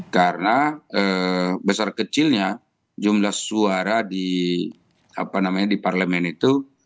karena besar kecilnya jumlah suara di parlemen itu